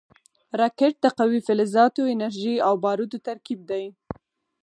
راکټ د قوي فلزاتو، انرژۍ او بارودو ترکیب دی